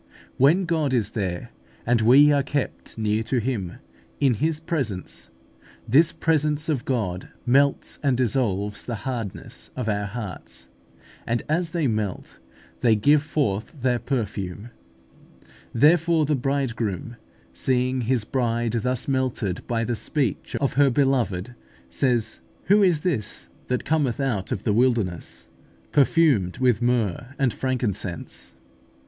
When God is there, and we are kept near to Him, in His presence, this presence of God melts and dissolves the hardness of our hearts, and as they melt, they give forth their perfume. Therefore the Bridegroom, seeing His Bride thus melted by the speech of her Beloved, says, "Who is this that cometh out of the wilderness, perfumed with myrrh and frankincense?" (Cant.